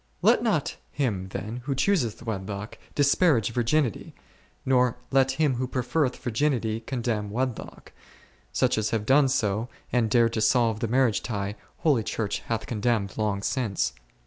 Let not him then who chooseth wedlock disparage virginity ; nor let him who preferreth virginity con demn wedlock : such as have done so, and dared to solve the marriage tie, holy Church hath condemned long since.